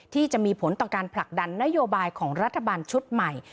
ที่มีผลต่อการผลักดันนโยบายของรัฐบาลชุดใหม่